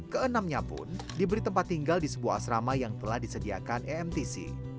keenamnya pun diberi tempat tinggal di sebuah asrama yang telah disediakan emtc